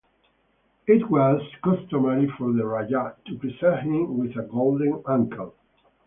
It was customary for the Rajah to present him with a golden anklet.